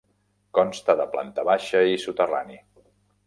Consta de planta baixa i soterrani.